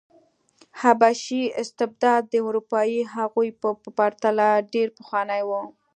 حبشي استبداد د اروپايي هغو په پرتله ډېر پخوانی و.